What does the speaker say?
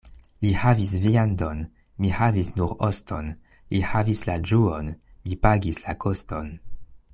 Li havis viandon, mi havis nur oston — li havis la ĝuon, mi pagis la koston.